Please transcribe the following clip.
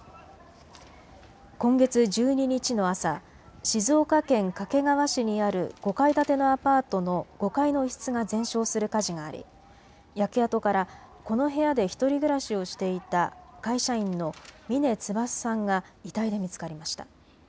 今月１２日の朝、静岡県掛川市にある５階建てのアパートの５階の一室が全焼する火事があり焼け跡からこの部屋で１人暮らしをしていた会社員の峰翼さんが遺体で見つかりました。